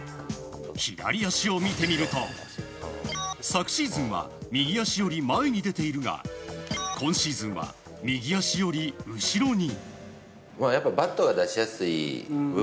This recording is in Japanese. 左足を見てみると昨シーズンは右足より前に出ているが今シーズンは右足より後ろに。